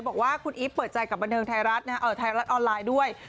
บอกว่าคุณอีฟเปิดใจกับบันเทิงไทยรัฐไทยรัฐออนไลน์ด้วย